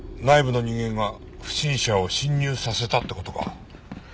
内部の人間が不審者を侵入させたって事か？